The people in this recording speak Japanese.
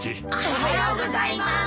おはようございます。